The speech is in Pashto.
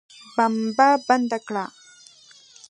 بمبه بنده کړه.